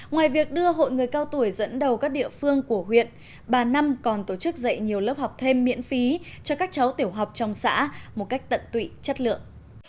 ngoài việc đưa hội người cao tuổi dẫn đầu các địa phương của huyện bà năm còn tổ chức dạy nhiều lớp học thêm miễn phí cho các cháu tiểu học trong xã một cách tận tụy chất lượng